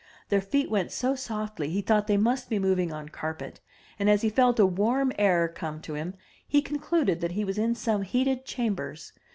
Their feet went so softly he thought they must be moving on carpet, and as he felt a warm air come to him, he concluded that he was in some heated cham bers.